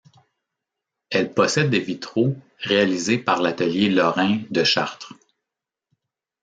Elle possède des vitraux réalisés par l'Atelier Lorin de Chartres.